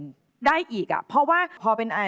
ไม่รู้เลย